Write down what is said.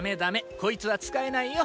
こいつは使えないよ。